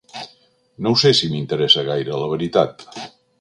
No ho sé ni m'interessa gaire, la veritat.